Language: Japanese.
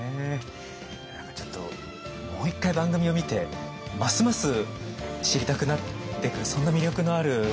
何かちょっともう一回番組を見てますます知りたくなってくるそんな魅力のある方でしたよね。